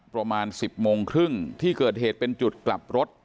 ประมาณ๑๐โมงครึ่งที่เกิดเหตุเป็นจุดกลับรถ